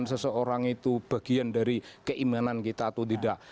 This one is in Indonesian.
seseorang itu bagian dari keimanan kita atau tidak